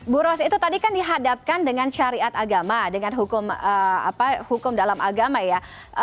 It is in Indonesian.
bu ros itu tadi kan dihadapkan dengan syariat agama dengan hukum dalam agama ya